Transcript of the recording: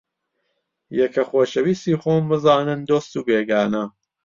یەکە خۆشەویستی خۆم بزانن دۆست و بێگانە